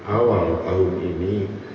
awal tahun ini